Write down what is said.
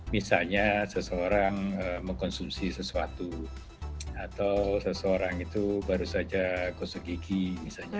misalnya seseorang mengkonsumsi sesuatu atau seseorang itu baru saja gosok gigi misalnya